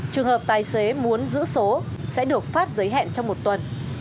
trường hợp tài xế muốn giữ số sẽ được phát giới hẹn trong một tuần